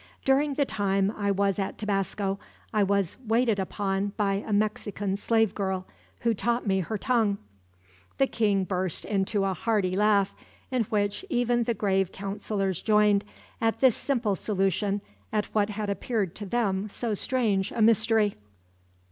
During the time I was at Tabasco I was waited upon by a Mexican slave girl, who taught me her tongue." The king burst into a hearty laugh, in which even the grave counselors joined, at this simple solution at what had appeared to them so strange a mystery.